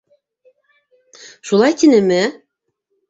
Шулай тинеме?!